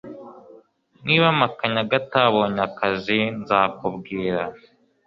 Niba Makanyaga atabonye akazi nzakubwira